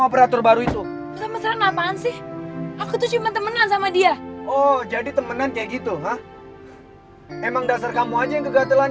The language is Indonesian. aku mau berhenti sini berhenti gong